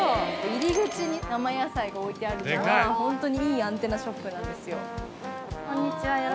入り口に生野菜が置いてあるのはホントにいいアンテナショップなんですよ。